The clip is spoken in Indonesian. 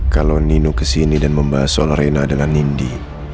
kalau nino kesini dan membahas soal reina dengan nindi